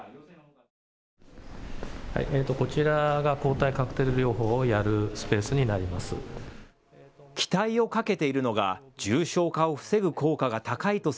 こちらが抗体カクテル療法をやるスペースになります。